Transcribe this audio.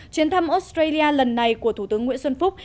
chuyến thăm australia lần này của thủ tướng nguyễn xuân phúc